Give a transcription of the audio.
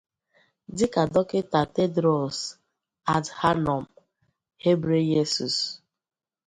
dịka Dọkịta Tedros Adhanom Ghebreyesus